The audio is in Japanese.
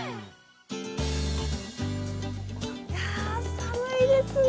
寒いですね。